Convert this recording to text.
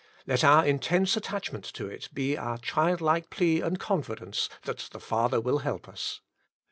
Let our intense attachment to it be our child like plea and confidence that the Father will help us.